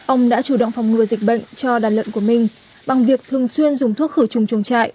ông đã chủ động phòng ngừa dịch bệnh cho đàn lợn của mình bằng việc thường xuyên dùng thuốc khử trùng chuồng trại